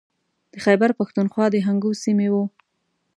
د خیبر پښتونخوا د هنګو سیمې و.